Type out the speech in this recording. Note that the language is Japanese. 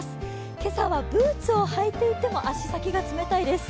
今朝はブーツを履いていても足先が冷たいです。